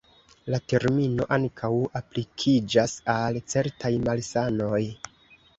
La termino ankaŭ aplikiĝas al certaj malsanoj.